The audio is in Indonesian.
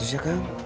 seratus ya kang